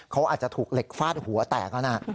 เขาอาจจะถูกเหล็กฟาดหัวแตกแล้วนะ